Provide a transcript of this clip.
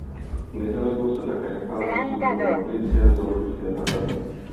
Nedaleko se také nachází vstup do madridské zoologické zahrady.